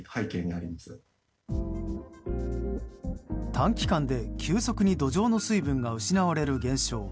短期間で急速に土壌の水分が失われる現象。